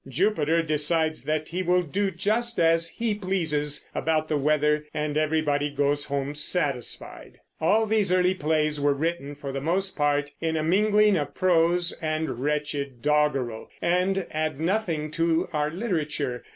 Jupiter decides that he will do just as he pleases about the weather, and everybody goes home satisfied. All these early plays were written, for the most part, in a mingling of prose and wretched doggerel, and add nothing to our literature.